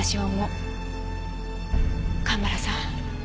蒲原さん